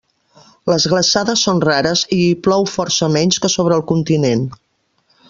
Les glaçades són rares i hi plou força menys que sobre el continent.